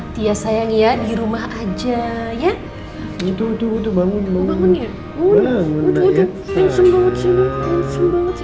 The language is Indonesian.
dia sayang ya di rumah aja ya itu tuh bangun bangun ya udah